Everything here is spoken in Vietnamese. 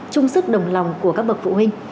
trung sức đồng lòng của các bậc phụ huynh